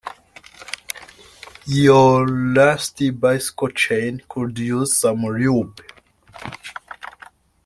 Your rusty bicycle chain could use some lube.